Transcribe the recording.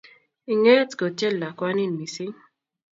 Inget kotyen lakwanin missing'